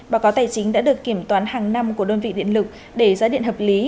báo cáo tài chính đã được kiểm toán hàng năm của đơn vị điện lực để giá điện hợp lý